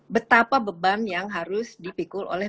betapa beban yang harus dipikirkan